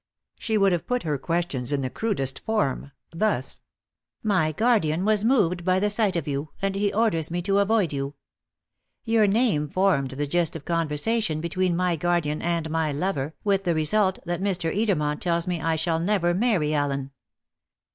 She would have put her questions in the crudest form, thus: "My guardian was moved by the sight of you, and he orders me to avoid you. Your name formed the gist of conversation between my guardian and my lover, with the result that Mr. Edermont tells me I shall never marry Allen.